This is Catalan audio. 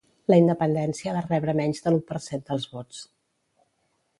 La independència va rebre menys de l'u per cent dels vots.